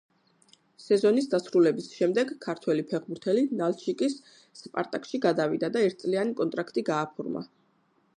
სეზონის დასრულების შემდეგ ქართველი ფეხბურთელი ნალჩიკის „სპარტაკში“ გადავიდა და ერთწლიანი კონტრაქტი გააფორმა.